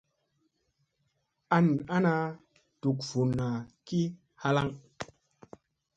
An ana duk vunna ki halaŋ.